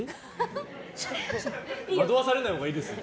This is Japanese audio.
惑わされないほうがいいですよ。